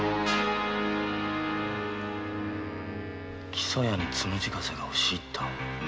木曽屋に「つむじ風」が押し入った。